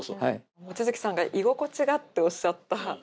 望月さんが「居心地が」っておっしゃった。